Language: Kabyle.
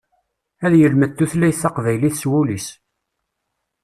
Ad yelmed tutlayt taqbaylit s wul-is.